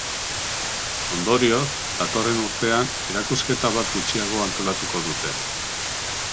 Ondorioz, datorren urtean, erakusketa bat gutxiago antolatuko dute.